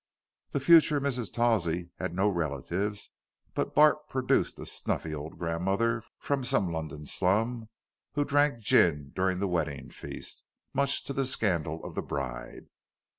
The future Mrs. Tawsey had no relatives, but Bart produced a snuffy old grandmother from some London slum who drank gin during the wedding feast, much to the scandal of the bride.